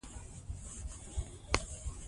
ښوونکي زده کوونکو ته د علم ارزښت بیانوي.